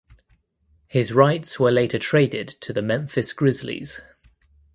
His rights were later traded to the Memphis Grizzlies.